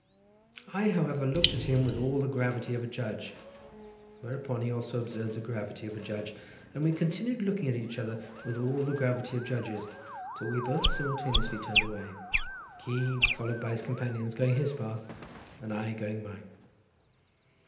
I, however, looked at him with all the gravity of a judge, whereupon he also observed the gravity of a judge, and we continued looking at each other with all the gravity of judges till we both simultaneously turned away, he followed by his companions going his path, and I going mine.